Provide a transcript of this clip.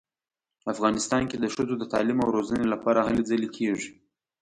افغانستان کې د ښځو د تعلیم او روزنې لپاره هلې ځلې کیږي